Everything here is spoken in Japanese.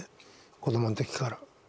子どもの時から。